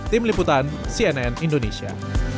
tim liputan cnn indonesia